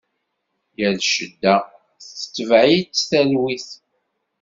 Yal cedda tetbeɛ-itt talwit.